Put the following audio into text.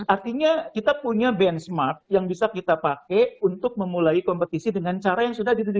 artinya kita punya benchmark yang bisa kita pakai untuk memulai kompetisi dengan cara yang sudah ditunjukkan